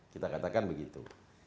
kita katakan begitu